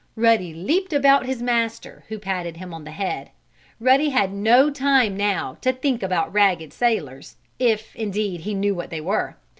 Ruddy leaped about his master, who patted him on the head. Ruddy had no time now to think about ragged sailors, if, indeed, he knew what they were.